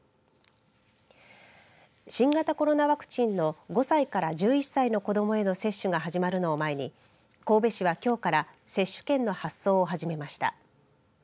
新型コロナワクチンの５歳から１１歳の子供への接種が始まるのを前に神戸市は、きょうから接種券の発送を始めました。